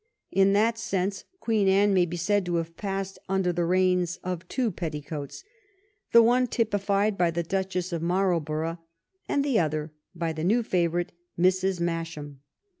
In that sense Queen Anne may be said to have passed under the reigns of two petticoats, the one typified by the Duchess of Marlborough and the other by the new favorite, Mrs. Masham.